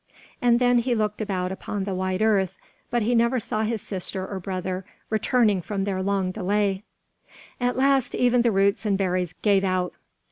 And then he looked about upon the wide earth, but he never saw his sister or brother returning from their long delay. At last, even the roots and berries gave out.